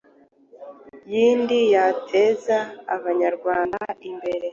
yindi yateza abanyarwanda imbere